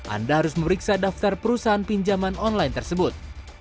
anda harus memeriksa daftar perusahaan pinjaman online tersebut